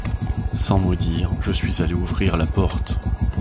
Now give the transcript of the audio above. Sans mot dire, je suis allée ouvrir la porte…